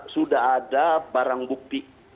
sudah ada barang bukti